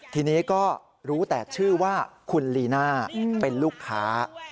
ทีนี้ก็รู้แต่ชื่อว่าคุณลีน่าเป็นลูกค้า